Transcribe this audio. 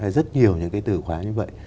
rất nhiều những cái từ khóa như vậy